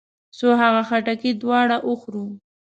څو هغه خټکي دواړه وخورو.